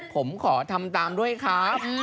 ผมขอทำตามด้วยครับ